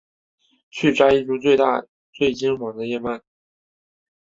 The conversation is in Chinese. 去摘一株最大最金黄的麦穗